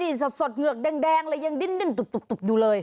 นี่สดเหงือกแดงเลยยังดิ้นตุบอยู่เลย